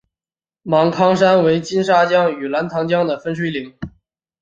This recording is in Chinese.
芒康山为金沙江与澜沧江的分水岭。